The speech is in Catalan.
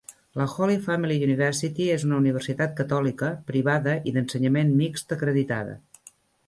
La Holy Family University és una universitat catòlica, privada i d"ensenyament mixt acreditada.